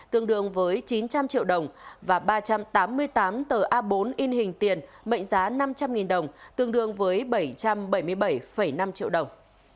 tương đương với chín trăm linh triệu đồng và ba trăm tám mươi tám tờ a bốn in hình tiền mệnh giá năm trăm linh đồng tương đương với bảy trăm bảy mươi bảy năm triệu đồng